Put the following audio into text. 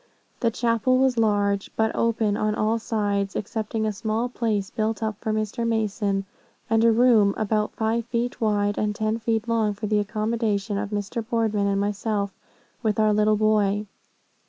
"The chapel was large, but open on all sides, excepting a small place built up for Mr. Mason, and a room about five feet wide and ten feet long, for the accommodation of Mr. Boardman and myself with our little boy.